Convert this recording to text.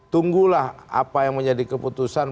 tunggulah apa yang menjadi keputusan